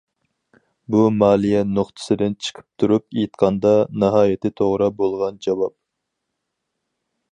بۇ مالىيە نۇقتىسىدىن چىقىپ تۇرۇپ ئېيتقاندا ناھايىتى توغرا بولغان جاۋاب.